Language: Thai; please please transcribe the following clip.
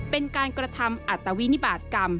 เป็นการกระทำอัตวินิบาตกรรม